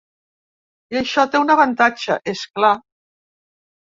I això té un avantatge, és clar.